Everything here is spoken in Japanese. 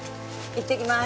いってきます。